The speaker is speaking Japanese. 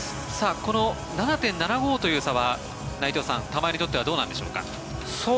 この７．７５という差は内藤さん玉井にとってはどうなんでしょうか。